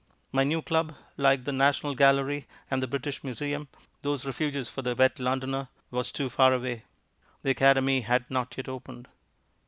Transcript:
My new club like the National Gallery and the British Museum, those refuges for the wet Londoner was too far away. The Academy had not yet opened.